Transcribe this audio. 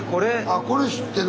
あこれ知ってる。